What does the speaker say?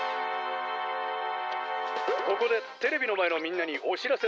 「ここでテレビのまえのみんなにおしらせだ！